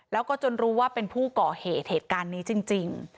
แล้วก็จนรู้ว่าเป็นผู้ก่อเหตุเหตุการณ์นี้จริง